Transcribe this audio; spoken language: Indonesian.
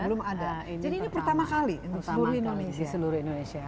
jadi ini pertama kali di seluruh indonesia